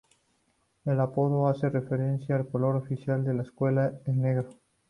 El apodo hace referencia al color oficial de la escuela, el negro.